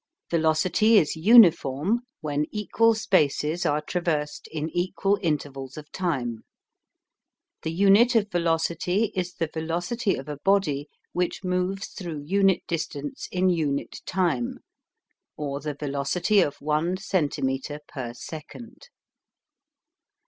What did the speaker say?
VELOCITY is UNIFORM when equal spaces are traversed in equal intervals of time The unit of velocity is the velocity of a body which moves through unit distance in unit time, or the VELOCITY OF ONE CENTIMETRE PER SECOND.